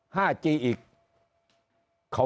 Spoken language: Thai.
เขาไม่หวังนะครับ